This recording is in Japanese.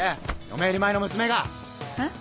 嫁入り前の娘が！え？